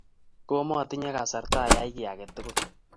Koma tinye kasarta ayai kiy tukul